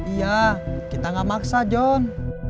iya kita gak maksa john